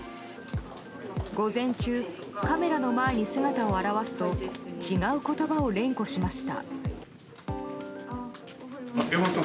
午前中、カメラの前に姿を現すと違う言葉を連呼しました。